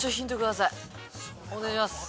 お願いします。